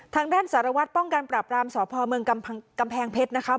ทางด้านสารวัตรป้องกันปราบรามสพเมืองกำแพงเพชรนะคะ